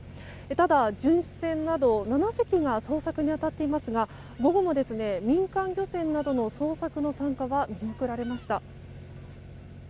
ただ巡視船など７隻が捜索に当たっていますが午後も民間漁船などの捜索の参加は見送られました。